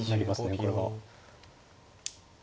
これは。